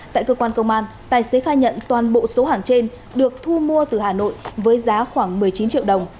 tại cơ quan công an tài xế khai nhận toàn bộ số hàng trên được thu mua từ hà nội với giá khoảng một mươi chín triệu đồng